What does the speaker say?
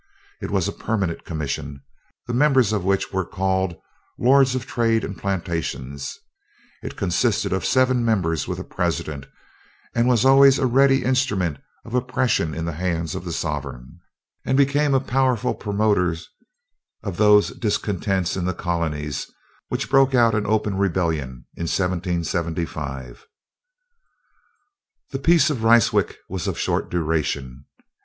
It was a permanent commission, the members of which were called "Lords of Trade and Plantations." It consisted of seven members, with a president, and was always a ready instrument of oppression in the hands of the sovereign, and became a powerful promoter of those discontents in the colonies, which broke out in open rebellion in 1775. The peace of Ryswick was of short duration.